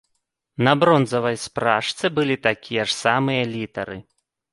На бронзавай спражцы былі такія ж самыя літары.